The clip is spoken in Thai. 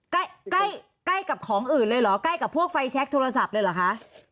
ใกล้ใกล้กับของอื่นเลยเหรอใกล้กับพวกไฟแชคโทรศัพท์เลยเหรอคะ